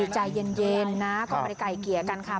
ใจเย็นนะก็ไปไกลเกลี่ยกันค่ะ